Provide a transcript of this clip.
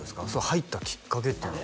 入ったきっかけっていうのは？